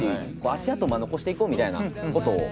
足跡残していこうみたいなことを。